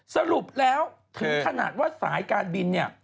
สรุปแล้วถึงขนาดว่าสายการบินเนี่ย